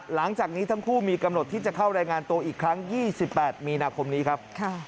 หลังจากนี้ทั้งคู่มีกำหนดที่จะเข้ารายงานตัวอีกครั้ง๒๘มีนาคมนี้ครับ